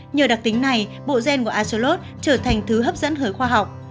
nhờ đặc tính này bộ gen của axolotl trở thành thứ hấp dẫn hơi khoa học